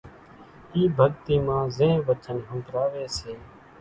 اِي ڀڳتي مان زين وچن ۿنڀراوي سي۔